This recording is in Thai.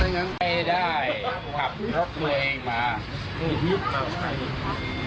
ไม่ได้ขับรถตัวเองมาก็คือเพื่อนมาส่ง